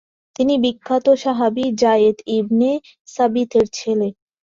তিনি বিখ্যাত সাহাবী যায়েদ ইবনে সাবিতের ছেলে।